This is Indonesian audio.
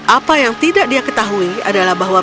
apa yang tidak dia ketahui adalah bahwa